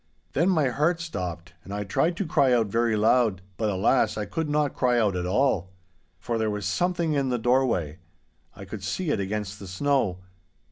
Then my heart stopped, and I tried to cry out very loud, but, alas! I could not cry out at all. 'For there was Something in the doorway. I could see it against the snow.